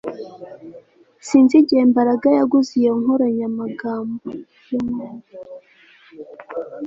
Sinzi igihe Mbaraga yaguze iyo nkoranyamagambo